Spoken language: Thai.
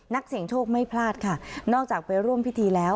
นักเสี่ยงโชคไม่พลาดค่ะนอกจากไปร่วมพิธีแล้ว